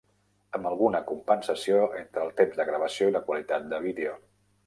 Amb alguna compensació entre el temps de gravació i la qualitat de vídeo.